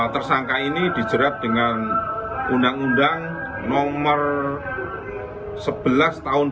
tersangka ini dijerat dengan undang undang nomor sebelas tahun dua ribu